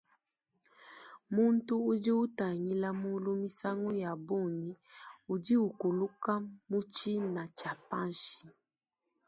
Muntu udi utangila mulu misangu ya bungi udi ukuluku mu tshina tshia panshi.